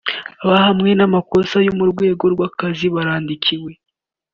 abahamwe n’amakosa yo mu rwego rw’akazi barandikiwe